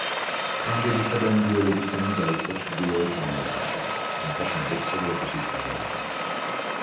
ფრანგებისა და ინდიელების ომი დაიწყო ჩრდილოეთ ამერიკაში თუმცა შემდეგ ევროპაშიც გადავიდა.